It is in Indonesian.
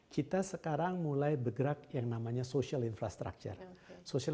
kita sekarang mulai bergerak yang namanya infrastruktur sosial